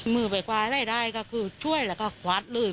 มือไปกว่าได้ก็คือช่วยแล้วก็ขวัดเลย